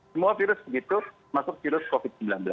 semua virus begitu masuk virus covid sembilan belas